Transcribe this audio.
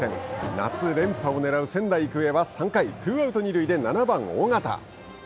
夏連覇をねらう仙台育英は３回、ツーアウト、二塁で７番尾形。